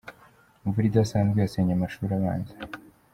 Imvura idasanzwe yasenye amashuri abanza